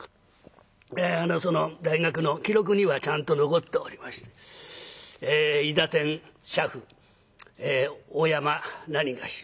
その大学の記録にはちゃんと残っておりまして「韋駄天車夫大山なにがし５人抜き」